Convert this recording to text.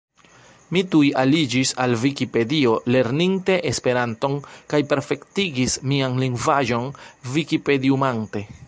Mi tuj aliĝis al Vikipedio lerninte Esperanton kaj perfektigis mian lingvaĵon vikipediumante.